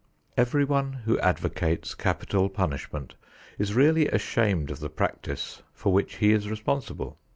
Everyone who advocates capital punishment is really ashamed of the practice for which he is responsible.